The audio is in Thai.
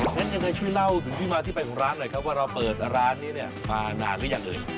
งั้นยังไงช่วยเล่าถึงที่มาที่ไปของร้านหน่อยครับว่าเราเปิดร้านนี้เนี่ยมานานหรือยังเอ่ย